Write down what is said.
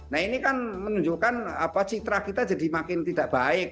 nah ini kan menunjukkan citra kita jadi makin tidak baik